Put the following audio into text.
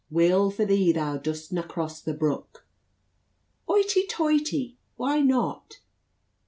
"Weel for thee thou dudstna cross the brook." "Hoity toity, why not?"